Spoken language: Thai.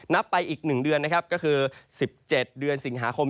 นับไปอีก๑เดือนนะครับก็คือ๑๗เดือนสิงหาคม